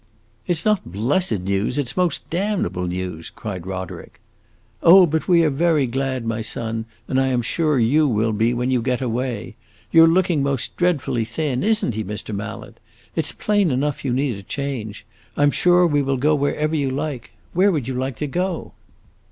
"It 's not blessed news; it 's most damnable news!" cried Roderick. "Oh, but we are very glad, my son, and I am sure you will be when you get away. You 're looking most dreadfully thin; is n't he, Mr. Mallet? It 's plain enough you need a change. I 'm sure we will go wherever you like. Where would you like to go?"